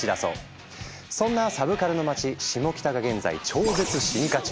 そんなサブカルの街シモキタが現在超絶進化中。